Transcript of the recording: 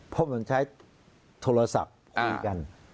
เพราะมันใช้โทรศัพท์คุยกัน